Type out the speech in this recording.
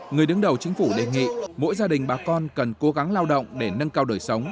người đứng đầu chính phủ đề nghị mỗi gia đình bà con cần cố gắng lao động để nâng cao đời sống